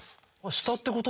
下ってこと？